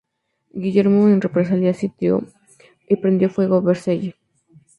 Guillermo en represalia sitió y prendió fuego Vercelli.